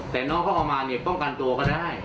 แต่น้องเขาเอามาเนี่ยป้องกันตัวก็ได้